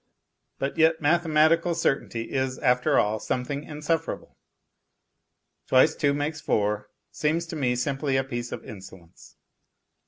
But yet mathematical certainty is, after all, something insufferable. Twice two makes four seems to me simply a piece of insolence.